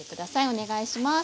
お願いします。